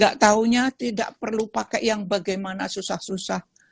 gak taunya tidak perlu pakai yang bagaimana susah susah